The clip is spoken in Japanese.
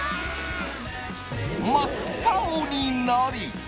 真っ青になり。